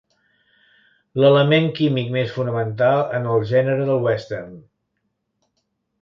L'element químic més fonamental en el gènere del Western.